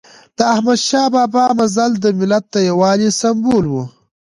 د احمد شاه بابا مزل د ملت د یووالي سمبول و.